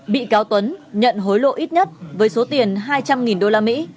bị cáo tuấn nhận hối lộ ít nhất với số tiền hai trăm linh đô la mỹ